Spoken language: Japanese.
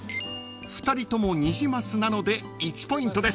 ［２人ともニジマスなので１ポイントです］